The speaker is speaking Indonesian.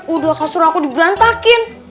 udah kasur aku diberantakin